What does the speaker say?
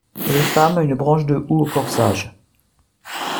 Et les femmes une branche de houx au corsage.